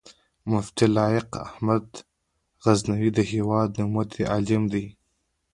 مفتي لائق احمد غزنوي د هېواد نوموتی عالم دی